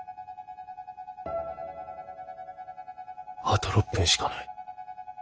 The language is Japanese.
あと６分しかない。